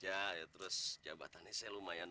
saya capek banget nih